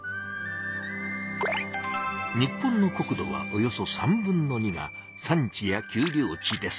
日本の国土はおよそ３分の２が山地や丘陵地です。